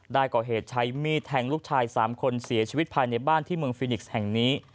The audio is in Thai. ได้ก่อเหตุใช้มีดแทงลูกชาย๓คนเสียชีวิตภายในบ้านที่เมืองฟินิกส์แห่งนี้